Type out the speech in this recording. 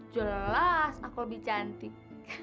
jelas aku lebih cantik